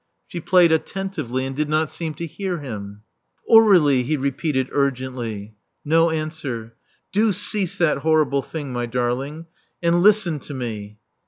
She played attentively, and did not seem to hear him. Aur61ie, he repeated urgently. No answer. Do cease that horrible thing, my darling, and listen to me.'